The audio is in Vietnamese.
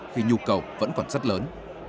khi nhu cầu vẫn còn rất lớn